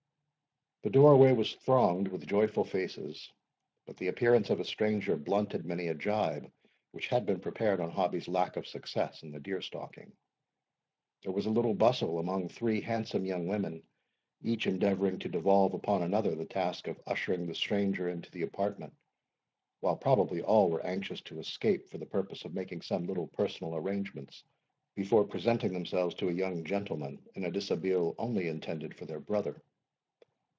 The doorway was thronged with joyful faces; but the appearance of a stranger blunted many a gibe which had been prepared on Hobbie's lack of success in the deer stalking. There was a little bustle among three handsome young women, each endeavouring to devolve upon another the task of ushering the stranger into the apartment, while probably all were anxious to escape for the purpose of making some little personal arrangements, before presenting themselves to a young gentleman in a dishabille only intended for their brother.